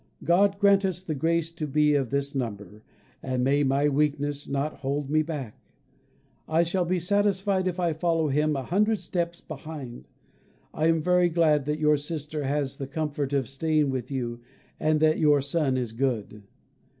God grant us the grace to be of this number, and may my weakness not hold me back. I shall be satisfied if I follow him a hundred steps behind. I am very glad that your sister has the comfort of staying with you and that your son is good.